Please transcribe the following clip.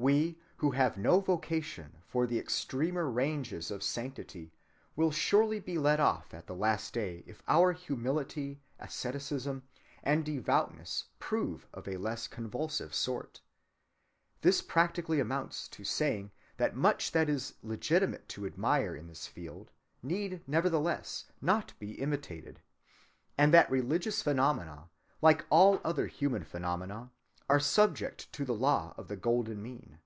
We who have no vocation for the extremer ranges of sanctity will surely be let off at the last day if our humility, asceticism, and devoutness prove of a less convulsive sort. This practically amounts to saying that much that it is legitimate to admire in this field need nevertheless not be imitated, and that religious phenomena, like all other human phenomena, are subject to the law of the golden mean.